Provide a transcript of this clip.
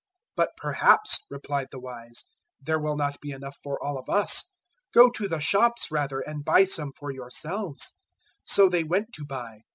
025:009 "`But perhaps,' replied the wise, `there will not be enough for all of us. Go to the shops rather, and buy some for yourselves.' 025:010 "So they went to buy.